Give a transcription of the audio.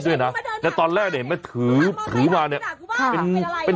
ด้วยน่ะแล้วตอนแรกเนี้ยมันถือถือมาเนี้ยค่ะเป็นเป็น